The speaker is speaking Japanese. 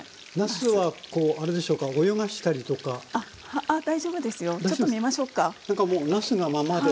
それかもうなすがままで。